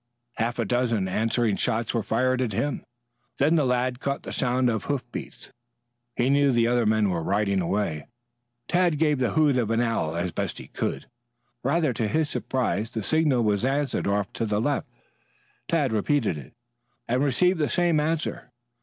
Half a dozen answering shots were fired at him, then the lad caught the sound of hoofbeats. He knew the other man was riding away. Tad gave the hoot of an owl as best he could. Rather to his surprise the signal was answered off to the left. Tad repeated it and received the same answer.